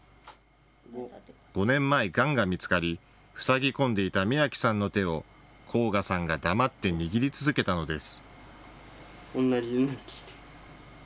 ５年前、がんが見つかりふさぎ込んでいた美暁さんの手を昊楽さんが黙って握り続けたのです。